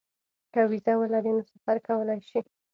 که وېزه ولري نو سفر کولی شي.